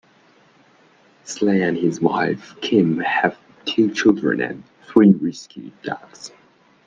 Slay and his wife Kim have two children and three rescued dogs.